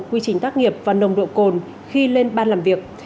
quy trình tác nghiệp và nồng độ cồn khi lên ban làm việc